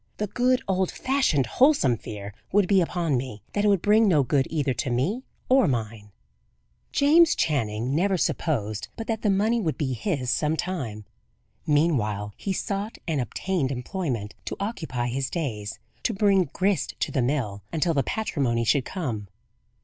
The good, old fashioned, wholesome fear would be upon me, that it would bring no good either to me or mine. James Channing never supposed but that the money would be his some time. Meanwhile he sought and obtained employment to occupy his days; to bring "grist to the mill," until the patrimony should come.